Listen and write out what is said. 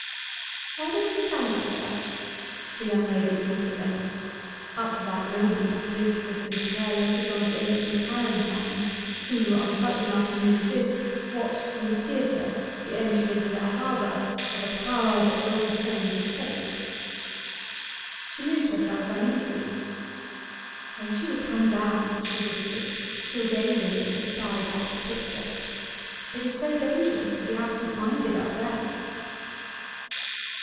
'Why does he stand like that?' the young lady thought at length up to that moment as listless and careless as one of the ancient Tarentines, who, on such an afternoon as this, watched from the Theatre the entry into their Harbour of a power that overturned the State. She moved herself uneasily. 'I wish he would come down,' she whispered, still gazing at the skybacked picture. 'It is so dangerous to be absent minded up there.